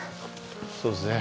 そうですね。